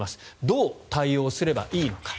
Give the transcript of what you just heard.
どう対応すればいいのか。